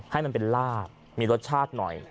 ให้มันเป็นลาบมีรสชาติหน่อย